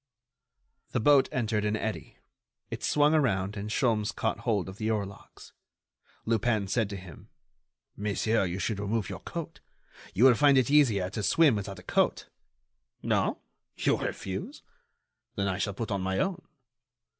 The boat entered an eddy; it swung around and Sholmes caught hold of the oarlocks. Lupin said to him: "Monsieur, you should remove your coat. You will find it easier to swim without a coat. No? You refuse? Then I shall put on my own."